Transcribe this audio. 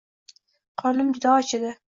Qornim juda och edi